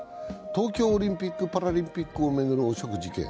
東京オリンピック・パラリンピックを巡る汚職事件